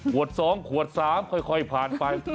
ขวดสองขวดสามค่อยผ่านไป